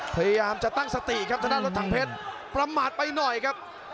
พยายามจะตั้งสติครับทางด้านรถถังเพชรประมาทไปหน่อยครับ